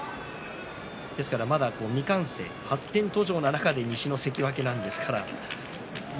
ですからまだ未完成発展途上の中で西の関脇です。